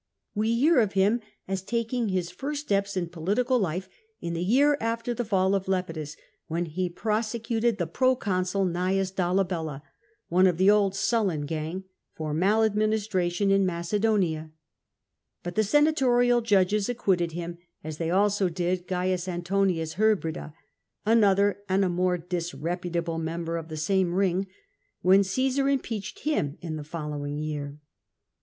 We hear of him as taking his first stops in politi cal life in the year after the fall of Lepidus, when he prosecuted the pro consul Gnaeus Dolabella — one of the old Sullan gang — for maladministration in Macedonia, But the senatorial judges acquitted him, as they also did 0 . Antonins Hybrida, another and a more disreputable member of the same ring, when CiBsar impeached him in the following year.